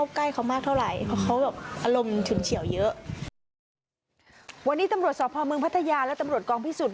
วันนี้ตำรวจสอบภอมเมืองพัทยาและตำรวจกองพิสูจน์